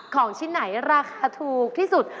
ของชิ้นไหนราคาถูกที่สุด